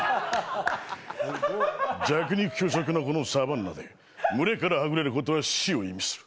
弱肉強食のこのサバンナで群れからはぐれることは死を意味する。